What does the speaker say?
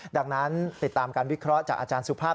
ดังนั้นติดตามการวิเคราะห์จากอาจารย์สุภาพ